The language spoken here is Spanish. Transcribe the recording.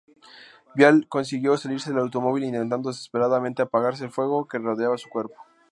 Viale consiguió salirse del automóvil intentando desesperadamente apagarse el fuego que rodeaba su cuerpo.